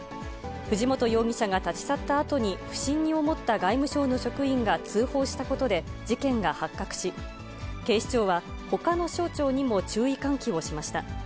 藤本容疑者が立ち去ったあとに不審に思った外務省の職員が通報したことで、事件が発覚し、警視庁は、ほかの省庁にも注意喚起をしました。